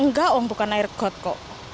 enggak om bukan air got kok